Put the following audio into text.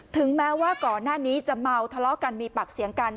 ถึงแม้ว่าก่อนหน้านี้จะเมาทะเลาะกันมีปากเสียงกัน